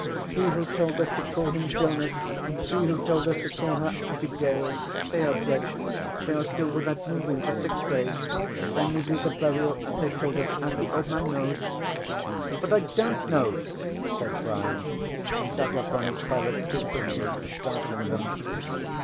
He who told us to call him Jonas, she who told us to call her Abigail, they are dead. They are still without moving for six days. Then we do the burial as they told us. As the Old Man knows." "But I don't know!" said Brian, and sat up on his pallet, too quickly, startling them.